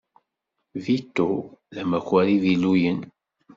Vito d amakar iviluyen.